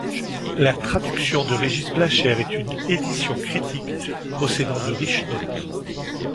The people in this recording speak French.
La traduction de Régis Blachère est une édition critique, possédant de riches notes.